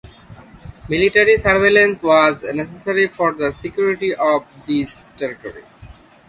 Military surveillance was necessary for the security of this territory.